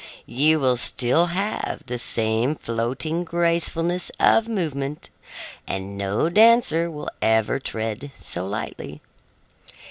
You will still have the same floating gracefulness of movement, and no dancer will ever tread so lightly.